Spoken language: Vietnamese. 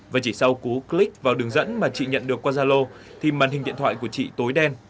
và chỉ sau cú click vào đường dẫn mà chị nhận được qua gia lô thì màn hình điện thoại của chị tối đen